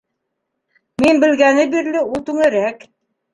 Мин белгәне бирле ул түңәрәк.